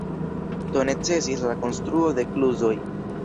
Do necesis la konstruo de kluzoj.